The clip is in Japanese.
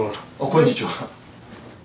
こんにちは。